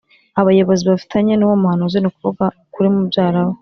abayobozi bafitanye n’uwo muhanuzi, ni ukuvuga kuri mubyara we